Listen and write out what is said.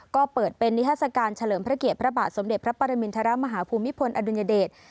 ก็เปิดเป็นนิทัศกาลเฉลิมพระเกียรติพระบาทสมเด็จพระปรมินทรมาฮภูมิพลอดุลยเดช